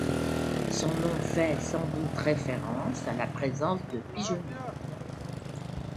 Son nom fait sans doute référence à la présence de pigeonniers.